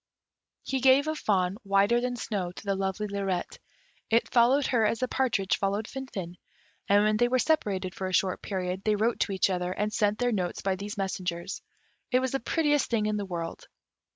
He gave a fawn whiter than snow to the lovely Lirette; it followed her as the partridge followed Finfin; and when they were separated for a short period, they wrote to each other, and sent their notes by these messengers. It was the prettiest thing in the world.